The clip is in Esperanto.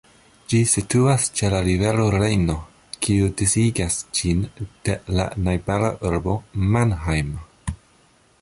Ĝi situas ĉe la rivero Rejno, kiu disigas ĝin de la najbara urbo Mannheim.